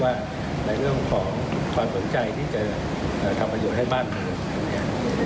ว่าในเรื่องของความสนใจที่จะทำประโยชน์ให้บ้านเมืองตรงนี้